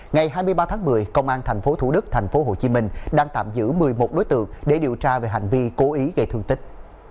ngày hai mươi ba tháng một mươi công an tp thủ đức tp hcm đang tạm giữ một mươi một đối tượng để điều tra về hành vi cố ý gây thương tích